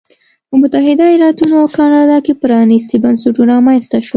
په متحده ایالتونو او کاناډا کې پرانیستي بنسټونه رامنځته شول.